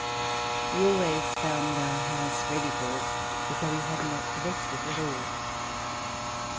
We always found our house ready for us, as though we had not left it at all.